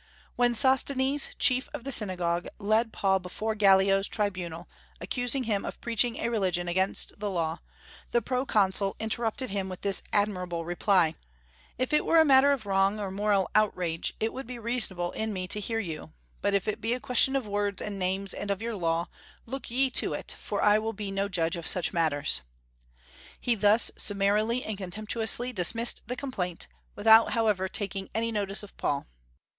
When Sosthenes, chief of the synagogue, led Paul before Gallio's tribunal, accusing him of preaching a religion against the law, the proconsul interrupted him with this admirable reply: "If it were a matter of wrong, or moral outrage, it would be reasonable in me to hear you; but if it be a question of words and names and of your Law, look ye to it, for I will be no judge of such matters." He thus summarily and contemptuously dismissed the complaint, without however taking any notice of Paul.